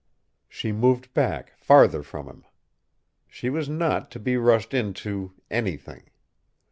She moved back, farther from him. She was not to be rushed into anything.